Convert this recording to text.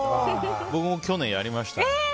僕も去年、やりました。